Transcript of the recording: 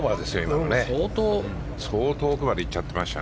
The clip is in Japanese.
相当奥までいっちゃってました。